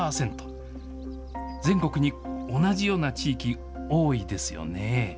全国に同じような地域、多いですよね。